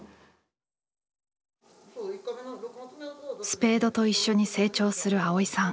スペードと一緒に成長する蒼依さん。